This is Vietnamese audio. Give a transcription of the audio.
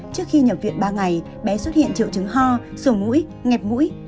trước khi nhập viện ba ngày bé xuất hiện triệu chứng hò sổ mũi nghẹp mũi